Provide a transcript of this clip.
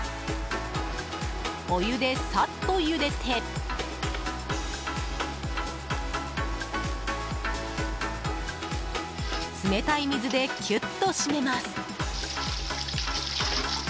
お湯でさっとゆでて冷たい水でキュッと締めます。